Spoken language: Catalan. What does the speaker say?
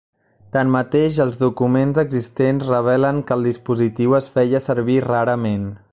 Tanmateix, els documents existents revelen que el dispositiu es feia servir rarament.